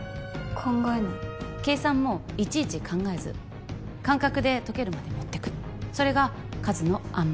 考えない計算もいちいち考えず感覚で解けるまでもってくそれが数の暗黙